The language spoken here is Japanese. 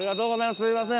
すいません。